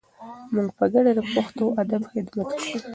موږ په ګډه د پښتو ادب خدمت کوو.